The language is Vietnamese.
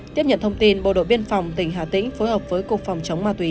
tiếp nhận thông tin bộ đội biên phòng tỉnh hà tĩnh phối hợp với cục phòng chống ma túy